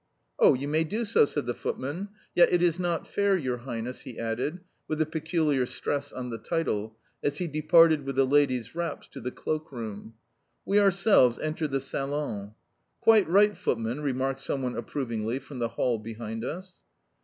"Oh, you may do so," said the footman. "Yet it is not fair, your highness," he added, with a peculiar stress on the title, as he departed with the ladies' wraps to the cloak room. We ourselves entered the salon. "Quite right, footman," remarked someone approvingly from the ball behind us.